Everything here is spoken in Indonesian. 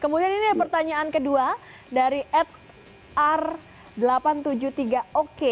kemudian ini pertanyaan kedua dari atr delapan ratus tujuh puluh tiga oke